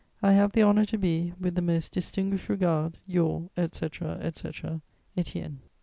"I have the honour to be, with the most distinguished regard, your, etc. etc., "ÉTIENNE.